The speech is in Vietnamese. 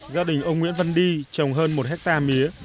gia đình ông nguyễn văn đi trồng hơn một hectare mía